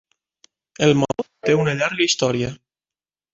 El maó té una llarga història.